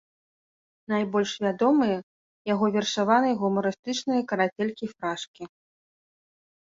Найбольш вядомыя яго вершаваныя гумарыстычныя карацелькі-фрашкі.